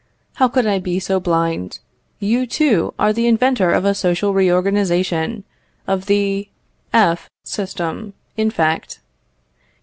How could I be so blind? You, too, are the inventor of a social reorganization of the F system, in fact.